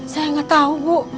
saya gak tahu bu